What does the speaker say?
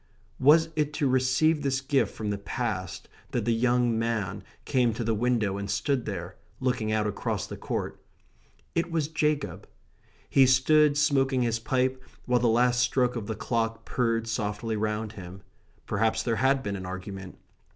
Was it to receive this gift from the past that the young man came to the window and stood there, looking out across the court? It was Jacob. He stood smoking his pipe while the last stroke of the clock purred softly round him. Perhaps there had been an argument.